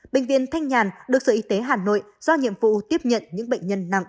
bệnh viện thanh nhàn được sở y tế hà nội do nhiệm vụ tiếp nhận những bệnh nhân nặng